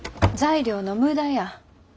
材料の無駄や。